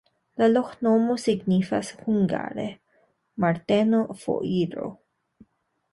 La loknomo signifas hungare: Marteno-foiro.